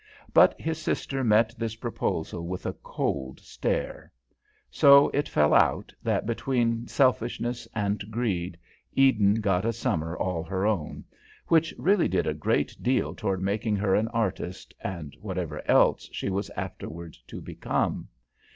But his sister met this proposal with a cold stare. So it fell out, that between selfishness and greed, Eden got a summer all her own, which really did a great deal toward making her an artist and whatever else she was afterward to become.